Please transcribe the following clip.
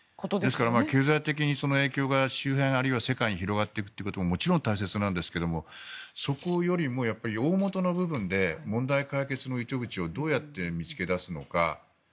ですから経済的にその影響が周辺、あるいは世界に広がっていくということももちろん大切なんですがそこよりも大本の部分で問題解決の糸口をどうやって見つけ出すのか。